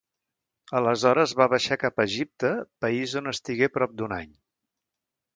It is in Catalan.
Aleshores va baixar cap a Egipte, país on estigué prop d'un any.